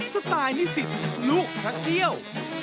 สไตล์นิสิตลูกพระเกี่ยว